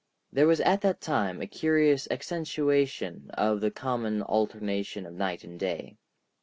There was at that time a curious accentuation of the common alternation of night and day.